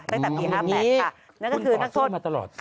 ตั้งแต่ปี๕๘ค่ะนั่นก็คือนักโทษคุณต่อสู้มาตลอด